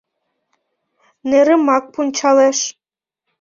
Нерымак пунчалеш.